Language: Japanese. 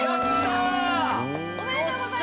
おめでとうございます。